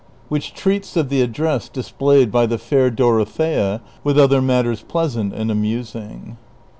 WHICH TREATS OF THE ADDRESS DISPLAYED BY THE FAIR DOROTHEA, WITH OTHER MATTERS PLEASANT AND AMUSING.